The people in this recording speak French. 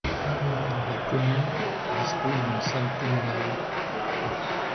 La commune dispose d'une salle communale.